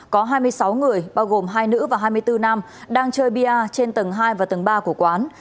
có hai mươi sáu người bao gồm hai nữ và hai mươi bốn nam đang chơi bia trên tầng hai và tầng ba của quán